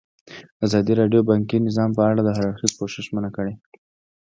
ازادي راډیو د بانکي نظام په اړه د هر اړخیز پوښښ ژمنه کړې.